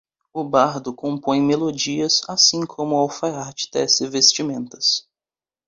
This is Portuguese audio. O bardo compõe melodias assim como o alfaiate tece vestimentas